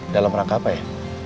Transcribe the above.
dalam rangka apa ya